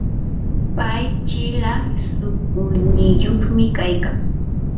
pay chila shukuyniyuqmi kaykan.